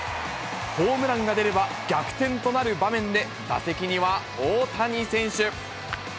ホームランが出れば逆転となる場面で、打席には大谷選手。